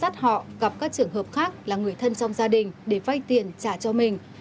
bắt họ gặp các trường hợp khác là người thân trong gia đình để vay tiền trả cho mình